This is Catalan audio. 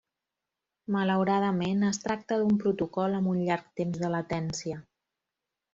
Malauradament, es tracta d'un protocol amb un llarg temps de latència.